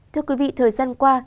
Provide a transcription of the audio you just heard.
thưa quý vị thời gian qua